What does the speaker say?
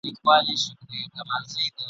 وخت نا وخته د خپل حق کوي پوښتنه !.